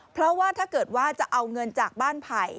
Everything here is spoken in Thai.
เพราะว่าถ้าเกิดว่าจะเอาเงินจากบ้านไผ่